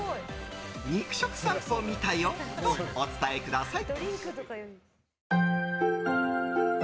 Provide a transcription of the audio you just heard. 肉食さんぽ見たよ！とお伝えください。